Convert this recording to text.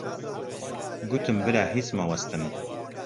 گوتم: برا هیچ مەوەستن!